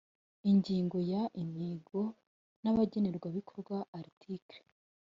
ingingo ya intego n abagenerwabikorwa article